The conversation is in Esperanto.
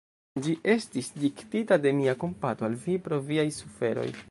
Ĝi estis diktita de mia kompato al vi pro viaj suferoj.